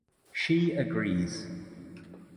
She agrees.